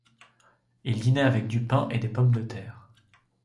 Il dînait avec du pain et des pommes de terre.